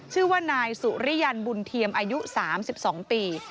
ชื่อว่านายสุริยันบุญเทียมอายุ๓๒ปี